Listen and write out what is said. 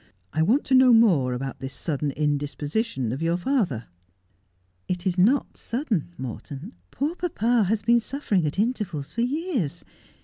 I want to know more about this sudden indisposition of your father.' ' It is not sudden, Morton. Poor papa has been suffering at intervals for years.